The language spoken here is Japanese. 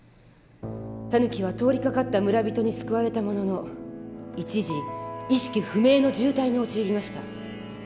タヌキは通りかかった村人に救われたものの一時意識不明の重体に陥りました。